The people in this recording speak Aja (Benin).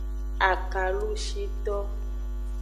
Akalushito.